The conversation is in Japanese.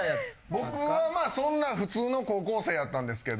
僕はまあそんな普通の高校生やったんですけど。